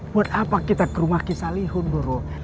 buat apa kita ke rumah kisah lihun doro